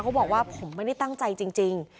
เขาบอกว่าผมไม่ได้ตั้งใจจริง